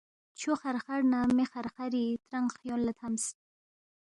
چھُو خرخر نہ مے خرخری ترانگ خیون لہ تھمس